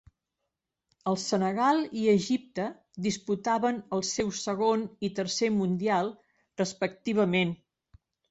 El Senegal i Egipte disputaven el seu segon i tercer Mundial, respectivament.